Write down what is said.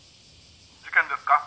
「事件ですか？